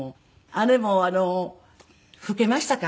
姉も老けましたか？